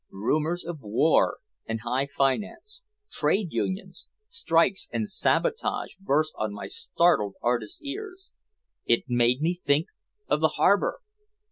Rumors of war and high finance, trade unions, strikes and sabotage burst on my startled artist's ears. It made me think of the harbor!